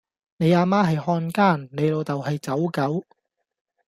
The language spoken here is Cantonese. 你阿媽係漢奸，你老竇係走狗